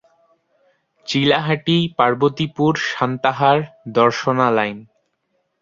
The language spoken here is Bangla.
চিলাহাটি-পার্বতীপুর-সান্তাহার-দর্শনা লাইন